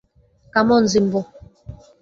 Come on, Jimbo.